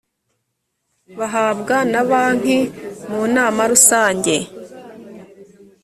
bahabwa na banki mu nama rusange